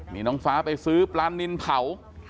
มีน้องฟ้าไปซื้อปลานินเผา